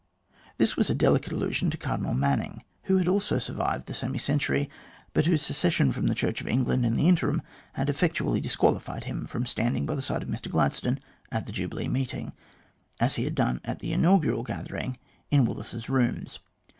This was a delicate allusion to Cardinal Manning, who had also survived the semi century, but whose secession from the Chnrch of England in the interim had effectually disqualified him from standing by the side of Mr Gladstone at the jubilee meeting, as he had done at the inaugural gathering in Willis's Rooms.